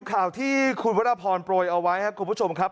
ข่าวที่คุณวรพรโปรยเอาไว้ครับคุณผู้ชมครับ